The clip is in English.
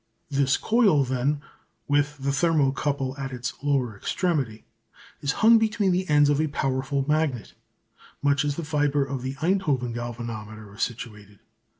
This coil, then, with the thermo couple at its lower extremity, is hung between the ends of a powerful magnet much as the fibre of the Einthoven Galvanometer is situated.